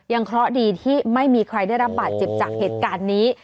มันคล้อดีที่ไม่มีใครได้รับปากจิบจากเหตุการณ์นี้